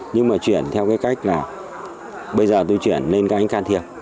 nhưng mà chuyển theo cái cách là bây giờ tôi chuyển lên các anh can thiệp